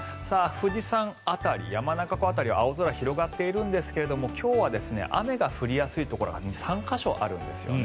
富士山辺り、山中湖辺りは青空が広がっているんですが今日は雨が降りやすいところが２３か所あるんですよね。